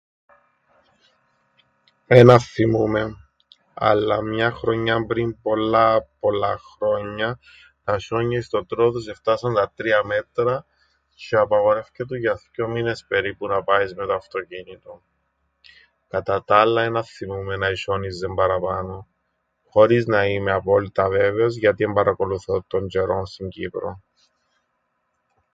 Εν αθθυμούμαι, αλλά μιαν χρονιάν πριν πολλά πολλά χρόνια, τα σ̆ιόνια στο Τρόοδος εφτάσαν τα τρία μέτρα τζ̆αι απαγορεύκετουν για θκυο μήνες περίπου να πάεις με το αυτοκίνητον. Κατά τα άλλα εν αθθυμο΄υμαι να εσ̆ιόνιζεν παραπάνω, χωρίς να είμαι απόλυτα βέβαιος, γιατί εν παρακολουθώ τον τζ̆αιρόν στην Κύπρον.